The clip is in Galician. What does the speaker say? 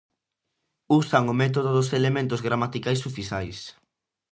Usan o método dos elementos gramaticais sufixais.